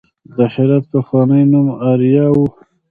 د هرات پخوانی نوم اریا و